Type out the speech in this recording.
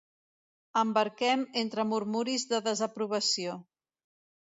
Embarquem entre murmuris de desaprovació.